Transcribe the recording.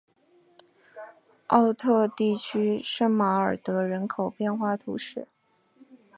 奥特地区圣马尔德人口变化图示